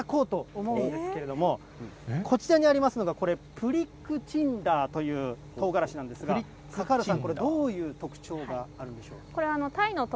きょうはこちらで特別にこちらでとうがらし、頂こうと思うんですけれども、こちらにありますのがこれ、プリックチンダーというとうがらしなんですが、サカールさん、これ、どういう特徴があるんでしょう。